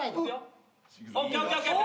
ＯＫＯＫＯＫ。